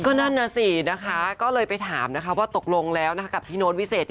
ก็นั่นน่ะสินะคะก็เลยไปถามนะคะว่าตกลงแล้วกับพี่โน๊ตวิเศษ